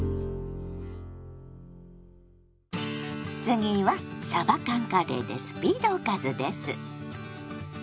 次はさば缶カレーでスピードおかずです。